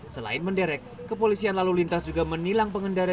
selain menderek kepolisian lalu lintas juga menilang pengendara